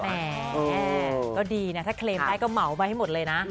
แหมก็ดีนะถ้าเคลมได้ก็เหมาไปให้หมดเลยนะ